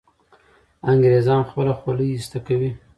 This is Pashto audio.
انګریزان خپله خولۍ ایسته کوي.